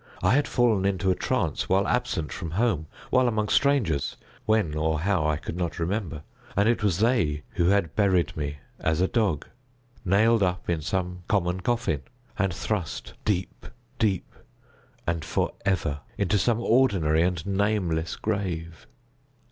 I had fallen into a trance while absent from home—while among strangers—when, or how, I could not remember—and it was they who had buried me as a dog—nailed up in some common coffin—and thrust deep, deep, and for ever, into some ordinary and nameless grave.